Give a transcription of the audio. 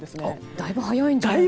だいぶ早いんじゃないですか？